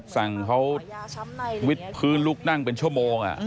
สั่งเขาวิทย์พื้นลุกนั่งเป็นชั่วโมง